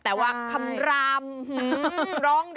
แต่ว่าคำรามร้องดังมาก